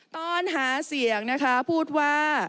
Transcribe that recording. ตอนหาเสียงพูดว่า